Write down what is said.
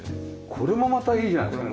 これもまたいいじゃないですか。